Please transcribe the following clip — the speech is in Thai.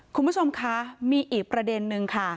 คุณผู้ชมคะมีอีกประเด็นนึงค่ะ